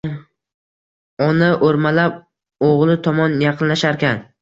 Ona o‘rmalab o‘g‘li tomon yaqinlasharkan